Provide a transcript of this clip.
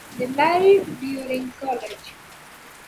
They married during college.